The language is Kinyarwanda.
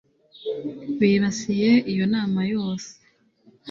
bibasiye iyo nama yose